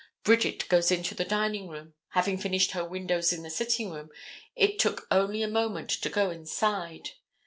Bridget goes into the dining room. Having finished her windows in the sitting room, it took only a moment to go inside.